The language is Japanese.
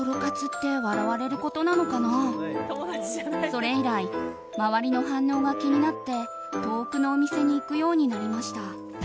それ以来周りの反応が気になって遠くのお店に行くようになりました。